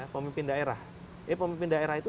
pemimpin daerah ya pemimpin daerah itu